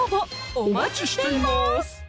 お待ちしています